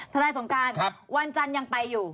นายสงการวันจันทร์ยังไปอยู่